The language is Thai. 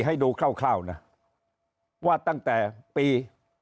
ให้ดูคร่าวนะว่าตั้งแต่ปี